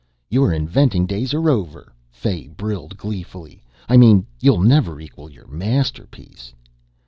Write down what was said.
"Your inventing days are over," Fay brilled gleefully. "I mean, you'll never equal your masterpiece."